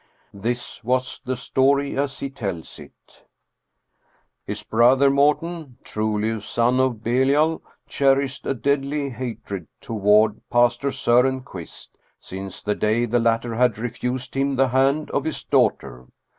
This was the story as he tells it : His brother Morten truly a son of Belial cherished a deadly hatred to ward pastor Soren Quist since the day the latter had refused him the hand of his daughter.